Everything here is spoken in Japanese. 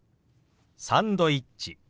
「サンドイッチ」。